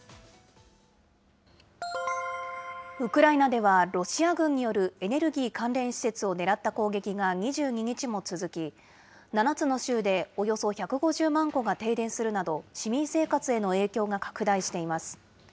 ウクライナでは、ロシア軍によるエネルギー関連施設を狙った攻撃が２２日も続き、７つの州でおよそ１５０万戸が停電するなど、市民生活への影響が拡大しています。